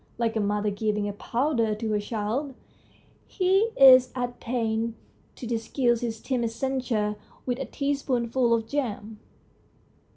Like a mother giving a powder to her child, he is at pains to disguise his timid censure with a teaspoonful of jam.